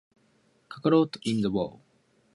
Its glumes are lanceolate and have acute apices.